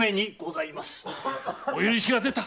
お許しが出た。